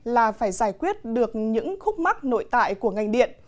là phải giải quyết được những khúc mắc nội tại của ngành điện